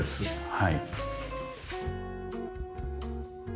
はい。